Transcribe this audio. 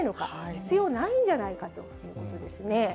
必要ないんじゃないかということですね。